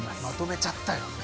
まとめちゃったよ。